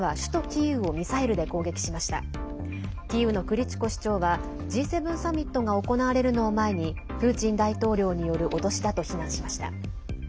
キーウのクリチコ市長はＧ７サミットが行われるのを前にプーチン大統領による脅しだと非難しました。